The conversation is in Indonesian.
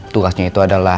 tugasnya itu adalah